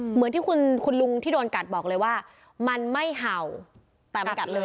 เหมือนที่คุณลุงที่โดนกัดบอกเลยว่ามันไม่เห่าแต่มันกัดเลย